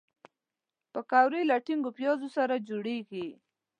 پکورې له ټینګو پیازو سره جوړیږي